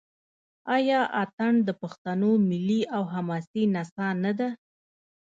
آیا اټن د پښتنو ملي او حماسي نڅا نه ده؟